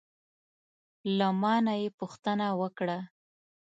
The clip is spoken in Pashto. له ما نه یې پوښتنه وکړه: